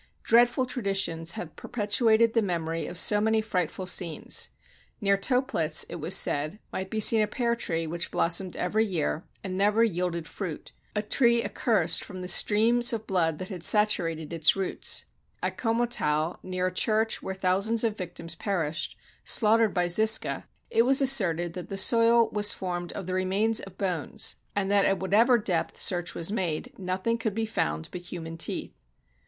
" Dreadful traditions have perpetuated the memory of so many frightful scenes: near Toplitz, it was said, might be seen a pear tree, which blossomed every year, and never yielded fruit — a tree accursed from the streams of blood that had saturated its roots. At Commotau, near a church where thousands of victims perished, slaugh tered by Zisca, it was asserted that the soil was formed of the remains of bones, and that at whatever depth search was made, nothing could be found but human teeth."